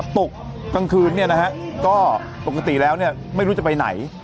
ตกกลางคืนก็ปกติแล้วไม่รู้จะไปไหน